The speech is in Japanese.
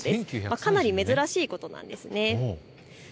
かなり珍しいことなんです。